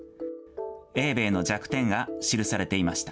英米の弱点が記されていました。